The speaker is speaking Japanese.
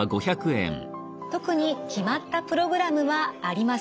特に決まったプログラムはありません。